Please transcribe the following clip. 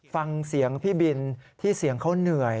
ฟังเสียงพี่บินที่เสียงเขาเหนื่อย